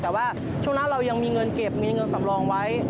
แต่ว่าช่วงนั้นเรายังมีเงินเก็บมีเงินสำรองไว้